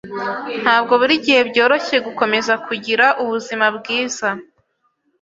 Ntabwo buri gihe byoroshye gukomeza kugira ubuzima bwiza.